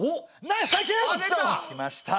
きました。